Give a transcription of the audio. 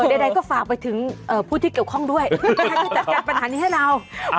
ใดก็ฝากไปถึงผู้ที่เกี่ยวข้องด้วยให้ช่วยจัดการปัญหานี้ให้เรา